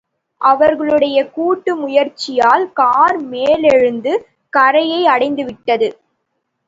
அவர்களுடைய கூட்டு முயற்சியால் கார் மேலெழுந்து கரையை அடைந்துவிட்டது.